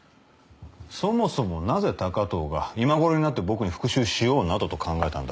そもそもなぜ高藤が今ごろになって僕に復讐しようなどと考えたんだ？